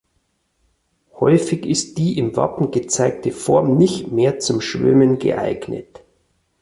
Häufig ist die im Wappen gezeigte Form nicht mehr zum Schwimmen geeignet.